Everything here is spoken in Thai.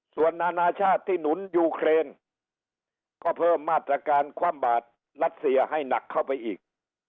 ส่วนนานาชาติที่หนุนยูเครนก็เพิ่มมาตรการคว่ำบาดรัสเซียให้หนักเข้าไปอีก